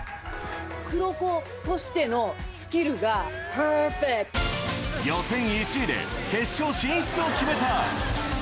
黒子としてのスキルがパーフ予選１位で決勝進出を決めた。